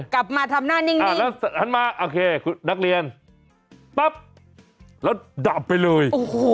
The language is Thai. กลับมาทำหน้านิ่งแล้วหันมาโอเคคุณนักเรียนปั๊บแล้วดับไปเลย